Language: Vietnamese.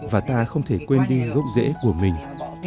và ta không thể quên đi gốc rễ của mình